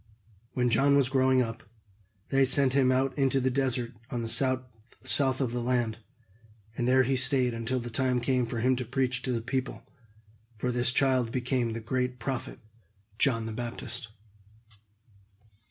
When John was growing up, they sent him out into the desert on the south of the land, and there he stayed until the time came for him to preach to the people; for this child became the great prophet John the Baptist.